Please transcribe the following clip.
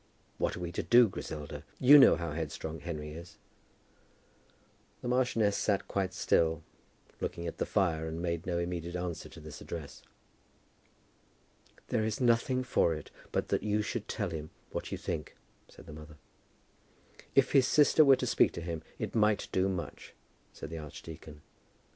"What are we to do, Griselda? You know how headstrong Henry is." The marchioness sat quite still, looking at the fire, and made no immediate answer to this address. "There is nothing for it, but that you should tell him what you think," said the mother. "If his sister were to speak to him, it might do much," said the archdeacon.